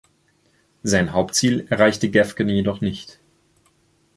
Sein Hauptziel erreichte Gäfgen jedoch nicht.